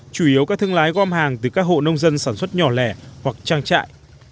chủ yếu các thương lái gom hàng từ các hộ nông dân sản xuất nhỏ lẻ hoặc trang trại